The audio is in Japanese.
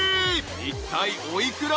いったいお幾ら？］